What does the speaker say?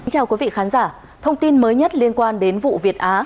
chào quý vị khán giả thông tin mới nhất liên quan đến vụ việt á